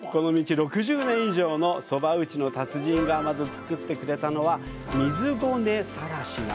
６０年以上のそば打ちの達人がまず作ってくれたのは水捏更科。